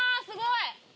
すごい！